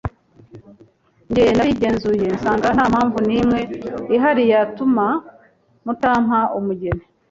Nge narigenzuye nsanga nta mpamvu n’imwe ihari yatuma mutampa umugeni